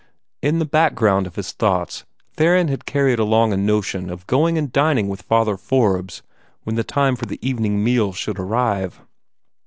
In the background of his thoughts Theron had carried along a notion of going and dining with Father Forbes when the time for the evening meal should arrive.